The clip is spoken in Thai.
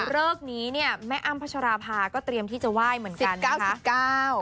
เริกนี้แม่อำพัชราภาก็เตรียมที่จะไหว้เหมือนกันนะคะ